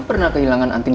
lo pernah kehilangan anting